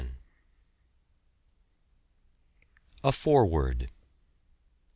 A FOREWORD.